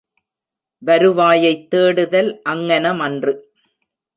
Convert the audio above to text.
வருவாயைத் தேடுதல் அங்ஙனமன்று.